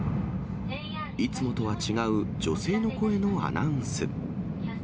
いつもとは違う女性の声のアナウンス。